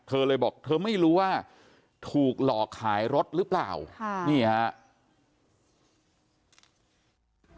เธอเลยบอกเธอไม่รู้ว่าถูกหลอกขายรถหรือเปล่าค่ะนี่ครับ